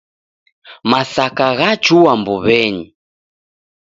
Masaka ghachua mbuw'enyi.